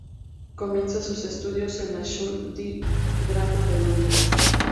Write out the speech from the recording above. Comienza sus estudios en la School Of Drama de Londres.